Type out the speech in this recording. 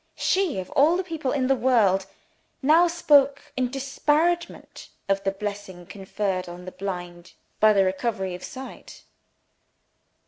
She, of all the people in the world, now spoke in disparagement of the blessing conferred on the blind by the recovery of their sight!